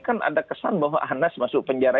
kan ada kesan bahwa anas masuk penjara